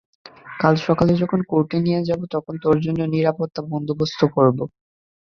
কাল সকালে যখন কোর্টে নিয়ে যাবো, তখন তোর জন্য নিরাপত্তার বন্দোবস্ত করবো।